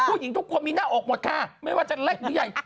ผู้หญิงทุกคนมีหน้าอกหมดค่ะไม่ว่าจะเล็กหรือใหญ่